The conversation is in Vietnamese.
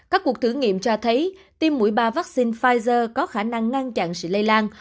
các cuộc thử nghiệm cho thấy tiêm mũi ba vaccine pfizer có khả năng ngăn chặn sự lây lan